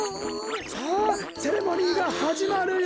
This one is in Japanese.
さあセレモニーがはじまるよ！